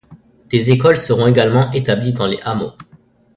Des écoles seront également établies dans les hameaux.